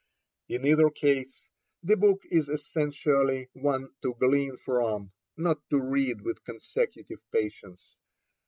In either case, the book is essentially one to glean from, not to read with consecutive patience.